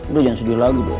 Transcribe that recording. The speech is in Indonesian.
udah jangan sedih lagi dong